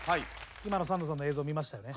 今のサンドさんの映像見ましたよね？